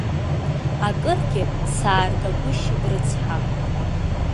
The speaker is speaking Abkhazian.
Акыргьы сааргагәышьеит, рыцҳа.